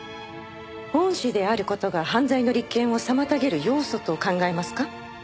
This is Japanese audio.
恩師である事が犯罪の立件を妨げる要素と考えますか？